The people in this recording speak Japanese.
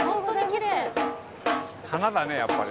華だね、やっぱり。